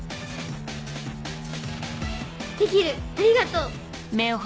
できるありがとう！